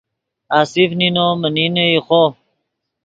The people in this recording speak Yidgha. آصف نینو من نینے ایخو